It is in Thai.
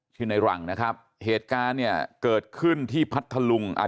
ในหลังนะครับเหตุการณ์เนี่ยเกิดขึ้นที่พัทธลุงอ่า